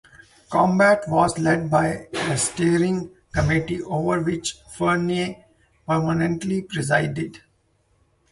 Combat was led by a steering committee, over which Frenay permanently presided.